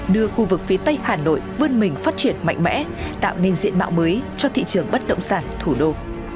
đưa khu vực phía tây hà nội vươn mình phát triển mạnh mẽ tạo nên diện mạo mới cho thị trường bất động sản thủ đô